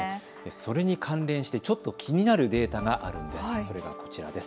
それに関連してちょっと気になるデータがあるんです。